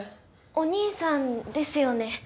おにいさんですよね？